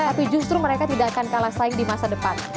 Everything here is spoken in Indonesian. tapi justru mereka tidak akan kalah saing di masa depan